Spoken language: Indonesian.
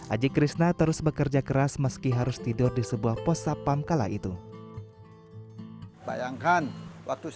aji krishna terus bekerja keras meski harus tidur di sebuah pos sapam kala itu bayangkan waktu